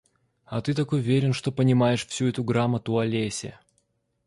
А ты так уверен, что понимаешь всю эту грамоту о лесе.